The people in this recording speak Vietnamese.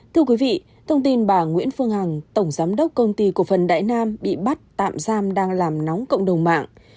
thưa quý vị thông tin bà nguyễn phương hằng tổng giám đốc công ty cổ phần đại nam bị bắt tạm giam đang làm nóng cộng đồng mạng